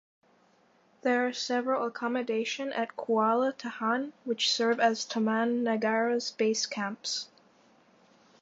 There are several accommodation at Kuala Tahan which serve as Taman Negara's base camps.